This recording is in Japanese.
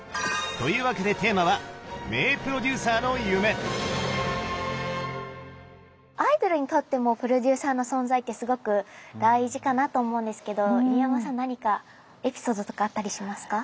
というわけでアイドルにとってもプロデューサーの存在ってすごく大事かなと思うんですけど入山さんは何かエピソードとかあったりしますか？